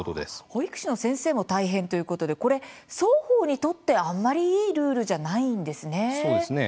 保育士の先生も大変ということで、これ双方にとってあんまりいいルールじゃないんですね。